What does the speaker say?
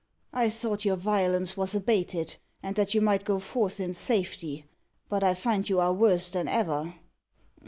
"I thought your violence was abated, and that you might go forth in safety. But I find you are worse than ever."